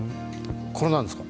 これは何ですか？